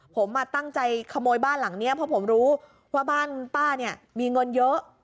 ผมตั้งใจขโมยบ้านหลังนี้เพราะผมรู้ว่าบ้านป้าเนี่ยมีเงินเยอะ